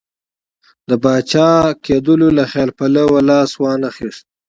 د پاچا کېدلو له خیال پلو لاس وانه خیست.